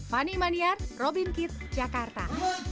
fani maniar robin kitt jakarta